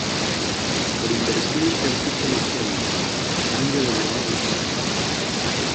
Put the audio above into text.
Por inverosímil que resulte la historia, algo de verdad la sustenta.